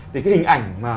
thì cái hình ảnh